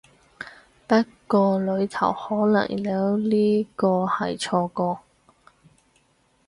不過裡頭可能有呢個係錯個